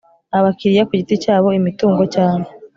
abakiriya ku giti cyabo imitungo cyangwa